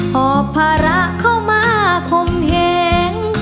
หอบภาระเข้ามาคมเหง